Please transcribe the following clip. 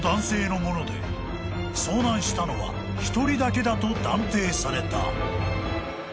［遭難したのは１人だけだと断定された］